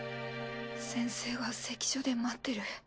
先生が関所で待ってる。